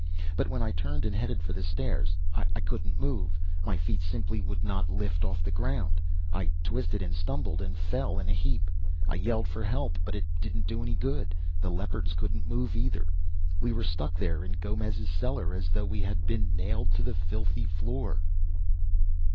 But when I turned and headed for the stairs, I couldn't move. My feet simply would not lift off the ground. I twisted, and stumbled, and fell in a heap; I yelled for help, but it didn't do any good. The Leopards couldn't move either. We were stuck there in Gomez's cellar, as though we had been nailed to the filthy floor.